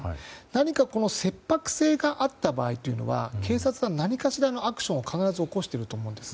何か切迫性があった場合というのは警察は何かしらのアクションを必ず起こしていると思うんです。